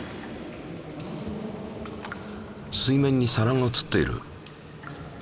水面に皿が映っている。